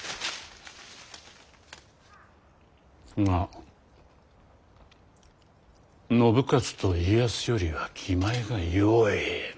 が信雄と家康よりは気前がよい。